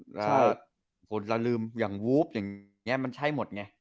แล้วเราลืมอย่างวูฟอย่างเงี้ยมันใช่หมดไง